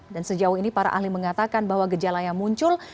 dan sejauh ini para ahli mengatakan bahwa gejala yang muncul